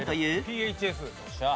ＰＨＳ。